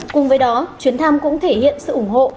cùng với đó chuyến thăm cũng thể hiện sự ủng hộ